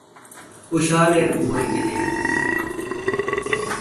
اوں شالہ مول کتیک